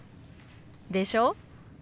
でしょ？